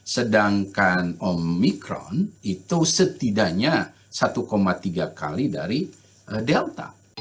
sedangkan omikron itu setidaknya satu tiga kali dari delta